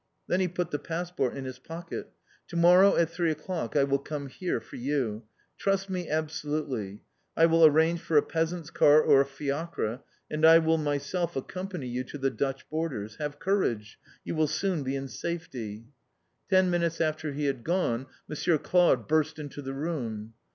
Then he put the passport in his pocket. "To morrow at three o'clock I will come here for you. Trust me absolutely. I will arrange for a peasant's cart or a fiacre, and I will myself accompany you to the Dutch borders. Have courage you will soon be in safety!" Ten minutes after he had gone Monsieur Claude burst into the room.